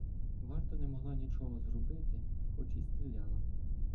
Варта не могла нічого зробити, хоч і стріляла.